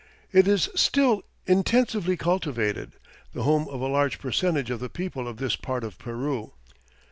It is still intensively cultivated, the home of a large percentage of the people of this part of Peru.